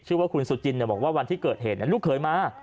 ชื่อว่าคุณสุจินบอกว่าวันที่เกิดเหตุลูกเคยมา